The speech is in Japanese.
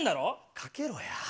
かけろや。